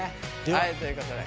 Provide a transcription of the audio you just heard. はいということで。